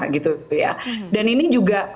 gitu ya dan ini juga